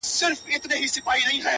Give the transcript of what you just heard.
o قربانو زه له پيغورو بېرېږم؛